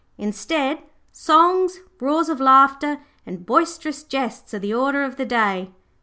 Instead, songs, roars of laughter, and boisterous jests are the order of the day.